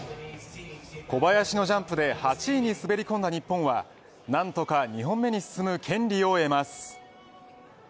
小林のジャンプで８位に滑り込んだ日本は何とか２本目に進む権利を得ます。